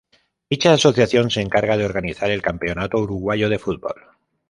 Dicha asociación se encarga de organizar el Campeonato Uruguayo de Fútbol.